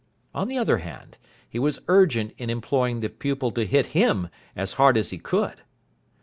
On the other hand, he was urgent in imploring the pupil to hit him as hard as he could.